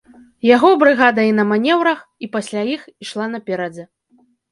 Яго брыгада і на манеўрах, і пасля іх ішла наперадзе.